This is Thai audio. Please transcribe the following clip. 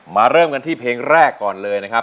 เริ่มกันที่เพลงแรกก่อนเลยนะครับ